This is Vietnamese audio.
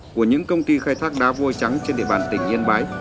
bản tình yên bái